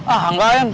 ah enggak yaan